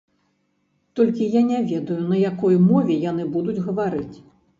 Толькі я не ведаю, на якой мове яны будуць гаварыць.